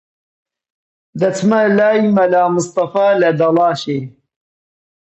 دەچمە لای مەلا مستەفا لە دەڵاشێ